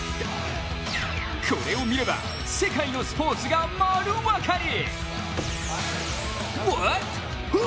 これを見れば、世界のスポーツが丸わかり。